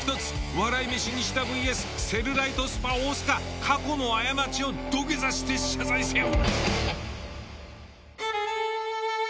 笑い飯西田ｖｓセルライトスパ大須賀過去の過ちを土下座して謝罪せよ。